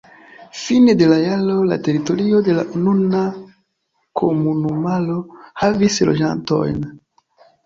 Fine de la jaro la teritorio de la nuna komunumaro havis loĝantojn.